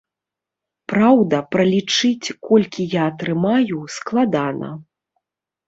Праўда, пралічыць, колькі я атрымаю, складана.